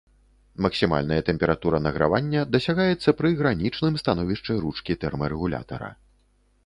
Максімальная тэмпература награвання дасягаецца пры гранічным становішчы ручкі тэрмарэгулятара.